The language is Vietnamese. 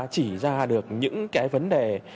chỉ ra được những cái vấn đề